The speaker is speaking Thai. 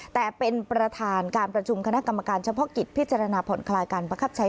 แต่เป็นประธานการประชุมคณะกรรมการเฉพาะกิจพิจารณาผ่อนคลายการประคับใช้